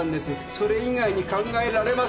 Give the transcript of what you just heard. それ以外に考えられません！